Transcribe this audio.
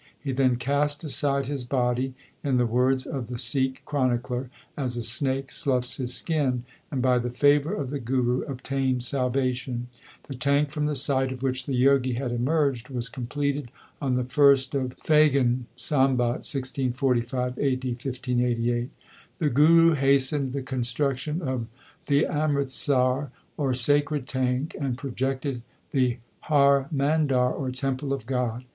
He then cast aside his body, in the words of the Sikh chronicler, as a snake sloughs his skin, and by the favour of the Guru obtained salvation. The tank from the site of which the Jogi had emerged was completed on the first of Phagan, Sambat 1645 (A. D. 1588). The Guru hastened the construction of the Amrit sar, or sacred tank, and projected the Har Mandar or temple of God.